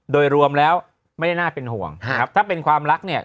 โดยรวมแล้วไม่ได้น่าเป็นห่วงครับถ้าเป็นความรักเนี่ย